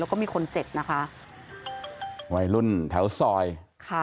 แล้วก็มีคนเจ็บนะคะวัยรุ่นแถวซอยค่ะ